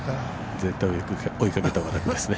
◆絶対追いかけたほうが楽ですね。